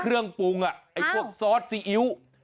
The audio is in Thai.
เครื่องปุ้งพวกซอสซีอิ๊ว